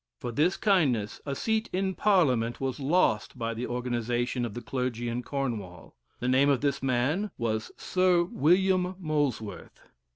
For this kindness, a seat in Parliament was lost by the organization of the clergy in Cornwall. The name of this man was Sir William Molesworth.